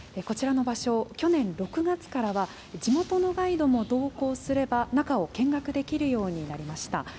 こちらの場所、去年６月からは、地元のガイドも同行すれば、中を見学できるようになりました。